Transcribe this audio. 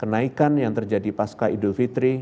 kenaikan yang terjadi pasca idofitri